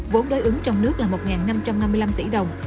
vốn đối ứng trong nước là một năm trăm năm mươi năm tỷ đồng